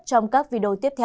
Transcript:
trong các video tiếp theo